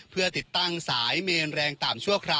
เพื่อติดตั้งสายเมนแรงต่ำชั่วคราว